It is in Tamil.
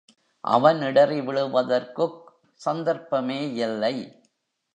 அவன் இடறி விழுவதற்குக் சந்தர்ப்பமே யில்லை.